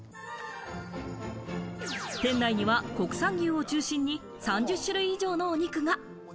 店内には国産牛を中心に３０種類以上のお肉が。